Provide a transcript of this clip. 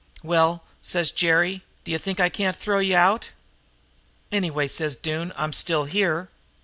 "'Well,' says Jerry, 'd'you think I can't throw you out?' "'Anyway,' says Doone, 'I'm still here.'